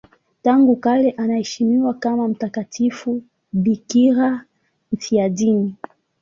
Tangu kale anaheshimiwa kama mtakatifu bikira mfiadini.